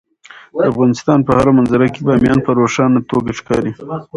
د افغانستان په هره منظره کې بامیان په روښانه توګه ښکاري.